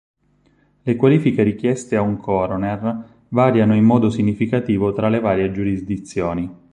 Le qualifiche richieste a un coroner variano in modo significativo tra le varie giurisdizioni.